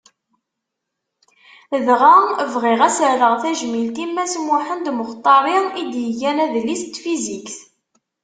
Dɣa bɣiɣ ad as-rreɣ tajmilt i Mass Muḥend Muxṭari i d-igan adlis n tfizikt.